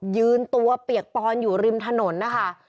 ยืนตัวเปียกปอนอยู่ริมถนนนะคะ